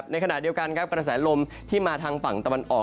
ในขณะเดียวกันครับกระแสลมที่มาทางฝั่งตะวันออก